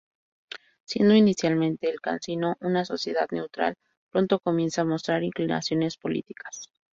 Siendo inicialmente el Casino una sociedad neutral, pronto comienza a mostrar inclinaciones políticas.